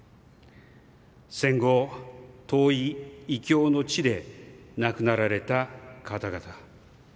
戦後、遠い異郷の地で亡くなられた方々。